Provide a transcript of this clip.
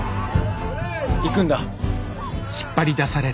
行くんだ。